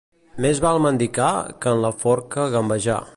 Més val mendicar que en la forca gambejar.